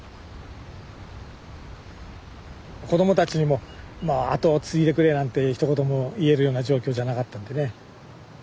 子供たちにも後を継いでくれなんてひと言も言えるような状況じゃなかったんでね。